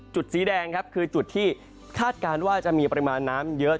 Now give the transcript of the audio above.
สีแดงครับคือจุดที่คาดการณ์ว่าจะมีปริมาณน้ำเยอะ